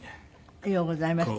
ようございましたよね。